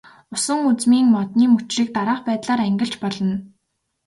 Усан үзмийн модны мөчрийг дараах байдлаар ангилж болно.